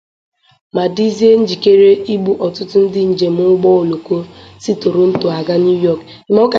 ma dịzie njikere igbu ọtụtụ ndị njem ụgbọ oloko si Toronto aga New York